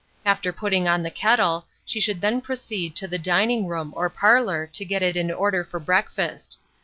After putting on the kettle, she should then proceed to the dining room or parlour to get it in order for breakfast.